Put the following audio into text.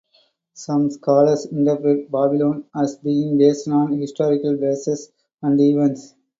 Some scholars interpret 'Babylon' as being based on historical places and events.